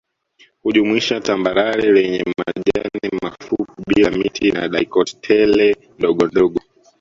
Hujumuisha tambarare lenye majani mafupi bila miti na dicot tele ndogondogo